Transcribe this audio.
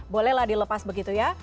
bolehlah dilepas begitu ya